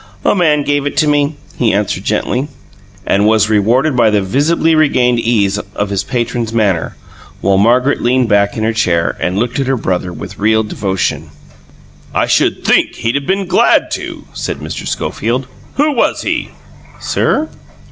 "A man gave it to me," he answered gently, and was rewarded by the visibly regained ease of his patron's manner, while Margaret leaned back in her chair and looked at her brother with real devotion. "I should think he'd have been glad to," said Mr. Schofield. "Who was he?" "Sir?"